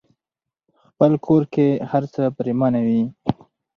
خپل کور کې هرڅه پريمانه وي.